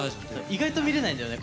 意外と見れないんだよね